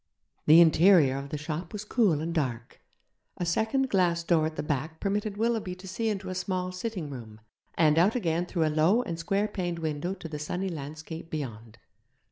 The interior of the shop was cool and dark. A second glass door at the back permitted Willoughby to see into a small sitting room, and out again through a low and square paned window to the sunny landscape beyond.